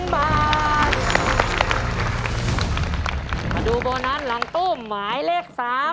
มาดูโบนัสโบนัสหลังตู้หมายเลข๓